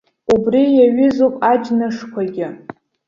Убри иаҩызоуп аџьнышқәагьы.